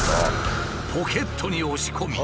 ポケットに押し込み。